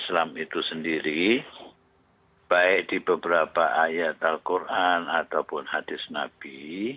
islam itu sendiri baik di beberapa ayat al quran ataupun hadis nabi